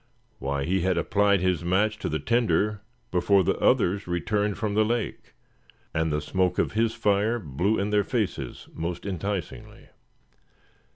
Why, he had applied his match to the tinder before the others returned from the lake; and the smoke of his fire blew in their faces most enticingly.